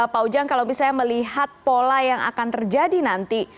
pak ujang kalau misalnya melihat pola yang akan terjadi nanti